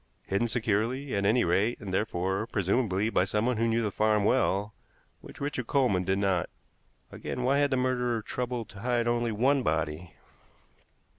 Hidden securely, at any rate, and therefore, presumably, by someone who knew the farm well, which Richard Coleman did not. Again, why had the murderer troubled to hide only one body?